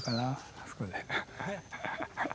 あそこで。